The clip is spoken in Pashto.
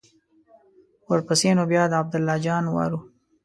ورپسې نو بیا د عبدالله جان وار و.